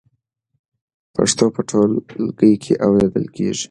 پښتو په ټولګي کې اورېدل کېږي.